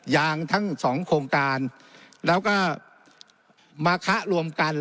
ยางทั้งสองโครงการแล้วก็มาคะรวมกัน